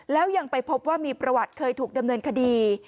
แล้วยังไปพบว่ามีประวัติเคยถูกดำเนินคดี